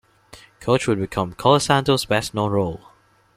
Coach would become Colasanto's best known role.